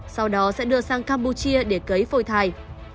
sau đó sẽ đưa sang campuchia để cấy phôi thai